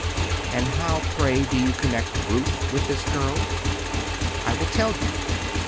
"And how, pray, do you connect Ruth with this girl?" "I will tell you.